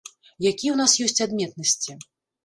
Якія ў нас ёсць адметнасці?